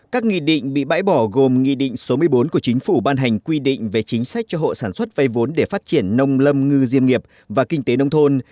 các nghị định bị bãi bỏ gồm nghị định số một mươi bốn của chính phủ ban hành quy định về chính sách cho hộ sản xuất vay vốn để phát triển nông lâm ngư diêm nghiệp và kinh tế nông thôn